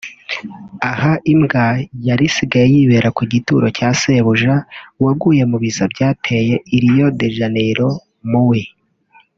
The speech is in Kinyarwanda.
Aha imbwa yari isigaye yibera kugituro cya sebuja waguye mubiza byateye i Rio de Janeiro muwi